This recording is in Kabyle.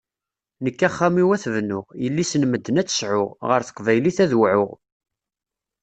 Nekk axxam-iw ad t-bnuɣ, yelli-s n medden ad tt-sɛuɣ, ɣer teqbaylit ad wɛuɣ.